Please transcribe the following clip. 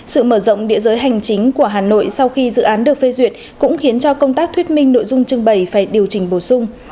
sự mở rộng địa giới hành chính của hà nội sau khi dự án được phê duyệt cũng khiến cho công tác thuyết minh nội dung trưng bày phải điều chỉnh bổ sung